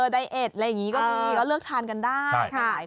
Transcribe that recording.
ไดเอ็ดอะไรอย่างนี้ก็มีก็เลือกทานกันได้